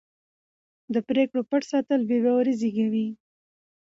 د پرېکړو پټ ساتل بې باوري زېږوي